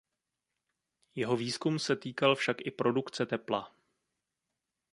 Jeho výzkum se týkal však i produkce tepla.